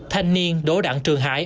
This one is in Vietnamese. thanh niên đỗ đặng trường hải